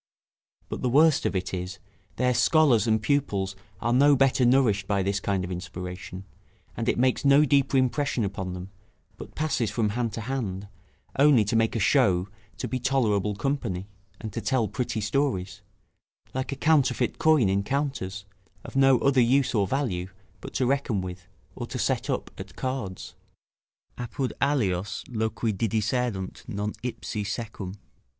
But the worst on't is, their scholars and pupils are no better nourished by this kind of inspiration; and it makes no deeper impression upon them, but passes from hand to hand, only to make a show to be tolerable company, and to tell pretty stories, like a counterfeit coin in counters, of no other use or value, but to reckon with, or to set up at cards: "Apud alios loqui didicerunt non ipsi secum."